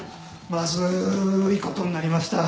まずい事になりました。